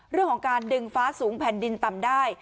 เรื่องของการดึงฟ้าสูงแผ่นดินต่ำได้